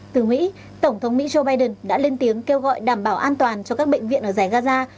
từ mỹ tổng thống mỹ joe biden đã lên tiếng kêu gọi đảm bảo an toàn cho các bệnh viện ở giải gaza